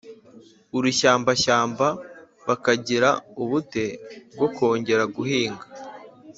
urushyambashyamba bakagira ubute bwo kongera guhinga